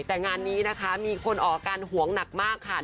แต่งานนี้นะคะมีคนออกอาการหวงหนักมากค่ะ